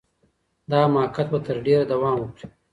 دا حماقت به تر ډیره دوام وکړي.